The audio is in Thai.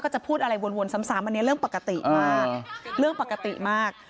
จะพูดอะไรวนซ้ำอันนี้เรื่องปกติมากเรื่องปกติมาก